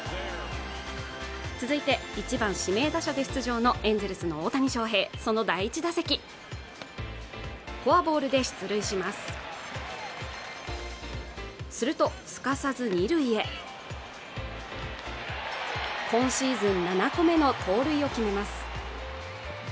続いて１番指名打者で出場のエンゼルスの大谷翔平その第１打席フォアボールで出塁しますするとすかさず二塁へ今シーズン７個目の盗塁を決めます